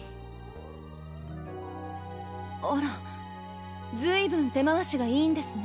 あら随分手回しがいいんですね。